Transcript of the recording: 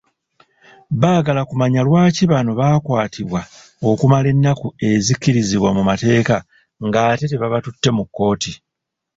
Baagala kumanya lwaki bano baakwatibwa okumala ennaku ezikkirizibwa mu mateeka ng'ate tebabatutte mu kkooti.